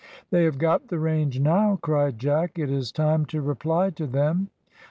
"They have got the range now," cried Jack; "it is time to reply to them."